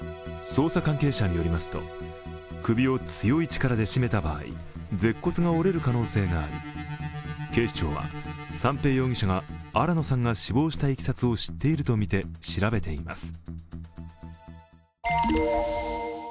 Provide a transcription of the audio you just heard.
捜査関係者によりますと、首を強い力で絞めた場合、舌骨が折れる可能性があり、警視庁は三瓶容疑者が新野さんが死亡したいきさつを知っているとみて調べています。